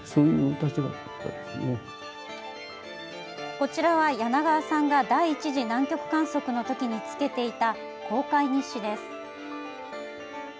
こちらは、柳川さんが第１次南極観測のときにつけていた航海日誌です。